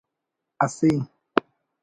اسے